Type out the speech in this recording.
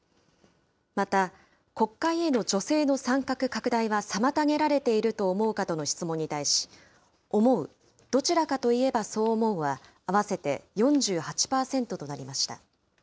また、国会への女性の参画拡大は妨げられていると思うかとの質問に対し、思う、どちらかといえばそう思うは、合わせて４８％となりました。